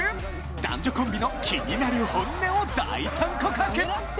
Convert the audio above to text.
男女コンビの気になる本音を大胆告白！